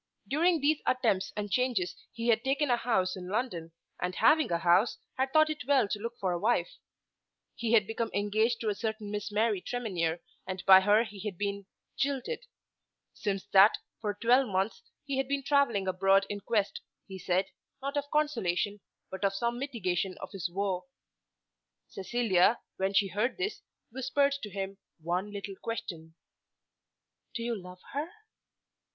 During these attempts and changes he had taken a house in London, and having a house had thought it well to look for a wife. He had become engaged to a certain Miss Mary Tremenhere, and by her he had been jilted. Since that, for twelve months he had been travelling abroad in quest, he said, not of consolation, but of some mitigation of his woe. Cecilia, when she heard this, whispered to him one little question, "Do you love her?"